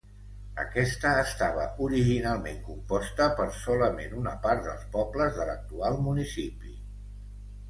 Aquesta estava originalment composta per solament una part dels pobles de l'actual municipi.